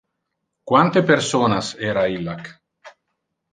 Quante personas era illac?